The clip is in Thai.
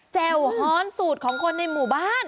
แจ่วฮ้อนสูตรของคนในหมู่บ้าน